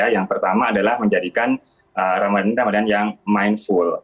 yang pertama adalah menjadikan ramadan yang mindful